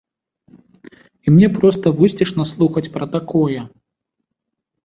І мне проста вусцішна слухаць пра такое!